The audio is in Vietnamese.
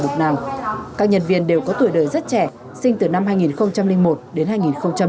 các nhân viên đều có tuổi đời rất trẻ sinh từ năm hai nghìn một đến hai nghìn bốn